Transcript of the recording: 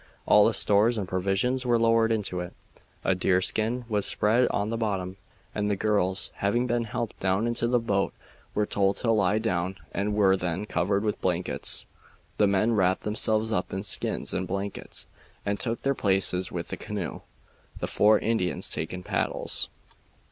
All the stores and provisions were lowered into it. A deerskin was spread on the bottom, and the girls, having been helped down into the boat, were told to lie down and were then covered with blankets. The men wrapped themselves up in skins and blankets and took their places in the canoe, the four Indians taking paddles.